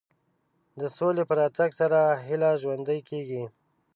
د سولې په راتګ سره هیله ژوندۍ کېږي.